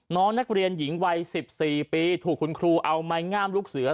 น้องนักเรียนหญิงวัย๑๔ปีถูกคุณครูเอาไม้งามลูกเสือ